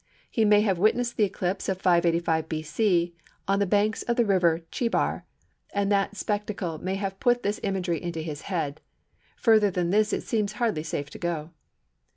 He may have witnessed the eclipse of 585 B.C. on the banks of the river Chebar, and that spectacle may have put this imagery into his head. Further than this it seems hardly safe to go.